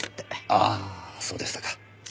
ああそうでしたか。